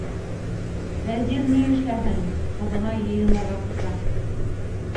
Вәзир ни эшләһен, ҡыҙына йыйынырға ҡуша.